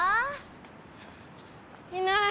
いない！